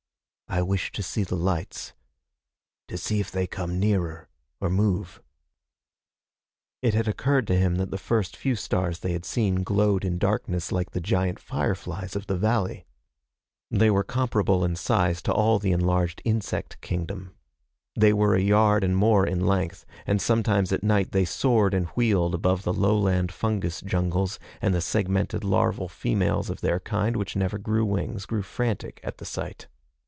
"I wish to see the lights. To see if they come nearer, or move." It had occurred to him that the first few stars they had seen glowed in darkness like the giant fireflies of the valley. They were comparable in size to all the enlarged insect kingdom. They were a yard and more in length, and sometimes at night they soared and wheeled above the lowland fungus jungles, and the segmented larval females of their kind, which never grew wings, grew frantic at the sight.